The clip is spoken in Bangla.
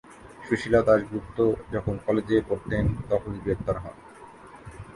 সুশীলা দাশগুপ্ত যখন কলেজে পড়তেন তখনই গ্রেপ্তার হন।